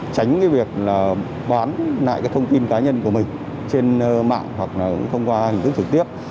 tránh cái việc là bán lại cái thông tin cá nhân của mình trên mạng hoặc là thông qua hình thức trực tiếp